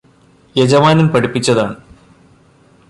യജമാനന് പഠിപ്പിച്ചതാണ്